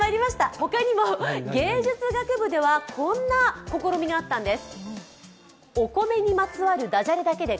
他にも芸術学部ではこんな試みがあったんです。